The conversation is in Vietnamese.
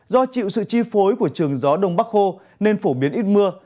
do chịu sự chi phối của trường gió đông bắc khô nên phổ biến ít mưa